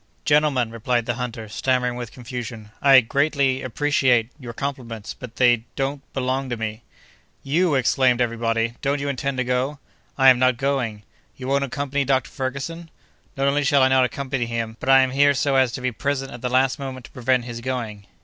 "Gentlemen," replied the hunter, stammering with confusion, "I greatly—appreciate—your compliments—but they—don't—belong to me." "You!" exclaimed every body, "don't you intend to go?" "I am not going!" "You won't accompany Dr. Ferguson?" "Not only shall I not accompany him, but I am here so as to be present at the last moment to prevent his going."